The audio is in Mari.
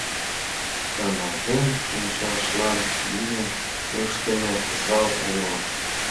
Каналтен шинчашлан лӱмын ыштыме «зал» уло.